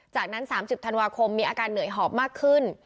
จากนั้น๓๐ธันวาคมมีอาการเหนื่อยหอบมากขึ้น